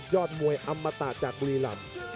ยอดมวยอำมตาจากบุรีลำ